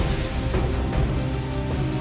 เดินตรงพาชนิดหน้า